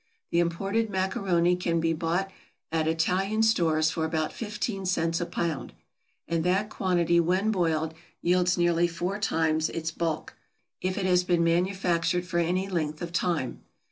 The imported macaroni can be bought at Italian stores for about fifteen cents a pound; and that quantity when boiled yields nearly four times its bulk, if it has been manufactured for any length of time.